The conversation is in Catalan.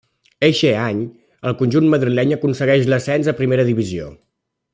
Eixe any el conjunt madrileny aconsegueix l'ascens a Primera Divisió.